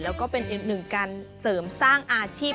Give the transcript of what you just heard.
แล้วก็เป็นอีกหนึ่งการเสริมสร้างอาชีพ